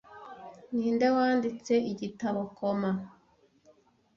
Ninde wanditse igitabo Coma